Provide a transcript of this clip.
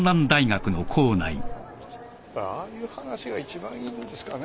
ああいう話が一番いいんですかね。